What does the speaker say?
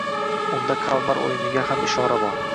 Unda “Kalmar o‘yini”ga ham ishora bor